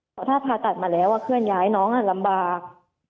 เพราะถ้าผ่าตัดมาแล้วเคลื่อนย้ายน้องลำบาก